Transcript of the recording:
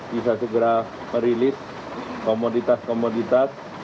bisa segera merilis komoditas komoditas